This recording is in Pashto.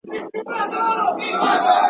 د نيمو شپو ده تور لوګى نــه دی